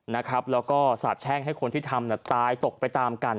แล้วก็สาบแช่งให้คนที่ทำตายตกไปตามกัน